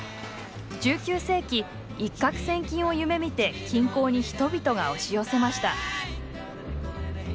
１９世紀一獲千金を夢みて金鉱に人々が押し寄せました。